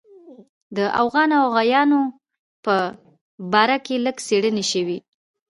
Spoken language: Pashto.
د اوغان او اوغانیانو په باره کې لږ څېړنې شوې.